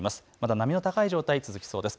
波の高い状態が続きそうです。